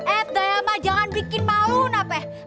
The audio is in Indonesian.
eh udah ya mak jangan bikin malu nape